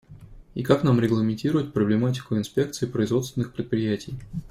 И как нам регламентировать проблематику инспекций производственных предприятий?